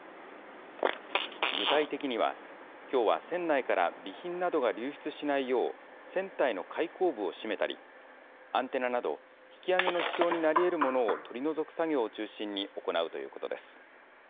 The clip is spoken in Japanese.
具体的には、きょうは船内から備品などが流出しないよう、船体の開口部を閉めたり、アンテナなど引き揚げの支障になりえるものを取り除く作業を中心に行うということです。